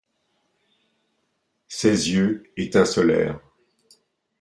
Ses yeux étincelèrent.